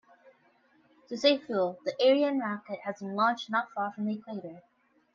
To save fuel, the Ariane rocket has been launched not far from the equator.